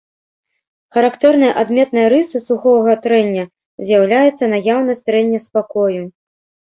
Характэрнай адметнай рысай сухога трэння з'яўляецца наяўнасць трэння спакою.